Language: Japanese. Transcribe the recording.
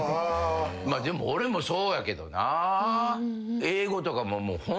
でも俺もそうやけどなぁ。